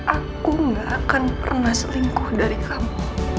aku gak akan pernah selingkuh dari kamu